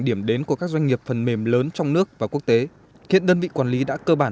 điểm đến của các doanh nghiệp phần mềm lớn trong nước và quốc tế hiện đơn vị quản lý đã cơ bản